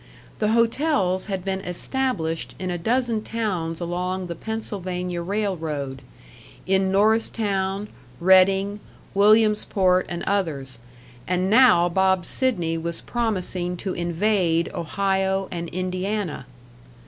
The hotels had been established in a dozen towns along the Pennsylvania Railroad, in Norristown, Reading, Williamsport, and others, and now Bob Sidney was promising to invade Ohio and Indiana.